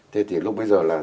thế thì lúc bây giờ là